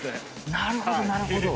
なるほどなるほど。